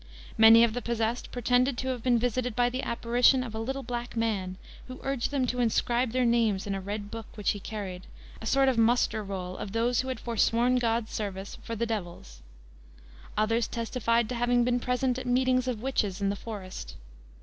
Many of the possessed pretended to have been visited by the apparition of a little black man, who urged them to inscribe their names in a red book which he carried a sort of muster roll of those who had forsworn God's service for the devil's. Others testified to having been present at meetings of witches in the forest.